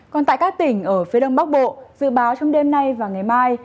còn tại các tỉnh ở phía đông bắc bộ dự báo trong đêm nay và ngày mai